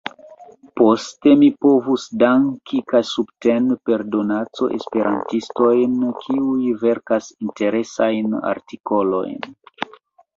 Poste mi povus danki kaj subteni per donaco esperantistojn kiuj verkas interesajn artikolojn.